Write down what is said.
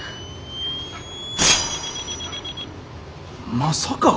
まさか。